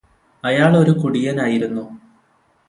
അയാളൊരു കുടിയനായിരുന്നു